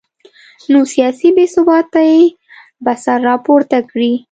نو سیاسي بې ثباتي به سر راپورته کړي